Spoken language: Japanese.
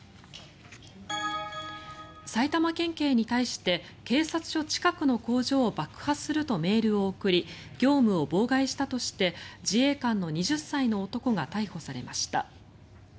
埼玉県警に対して警察署近くの工場を爆破するとメールを送り業務を妨害したとして自衛官の２０歳の男が逮捕されました。